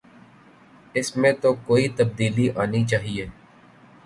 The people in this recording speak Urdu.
اس میں تو کوئی تبدیلی آنی چاہیے۔